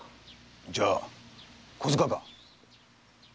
じゃあ小柄か？